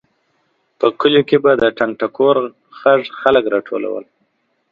په کلیو کې به د ټنګ ټکور غږ خلک راټولول.